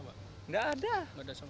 tidak ada pak atau gimana pak